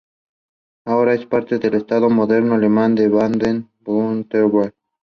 Ahora es parte del estado moderno alemán de Baden-Wurtemberg.